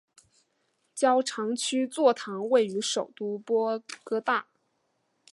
教长区座堂位于首都波哥大。